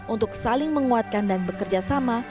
untuk saling menguatkan dan bekerja sama